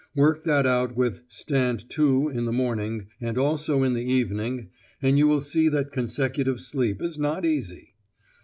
Work that out with 'stand to' in the morning and also in the evening and you will see that consecutive sleep is not easy!